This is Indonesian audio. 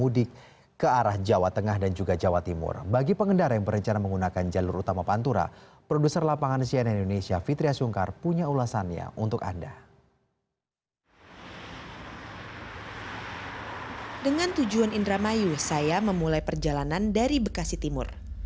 dengan tujuan indramayu saya memulai perjalanan dari bekasi timur